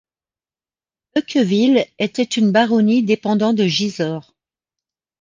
Heuqueville était une baronnie dépendant de Gisors.